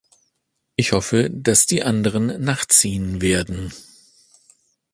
Ich hoffe, dass die anderen nachziehen werden.